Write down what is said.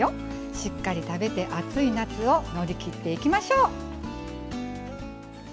しっかり食べて、暑い夏を乗り切っていきましょう。